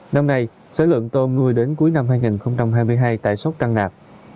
năm nay số lượng tôm nuôi đến cuối năm hai nghìn hai mươi hai tại sóc trăng nạp